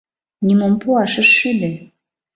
Нимом пуаш ыш шӱдӧ.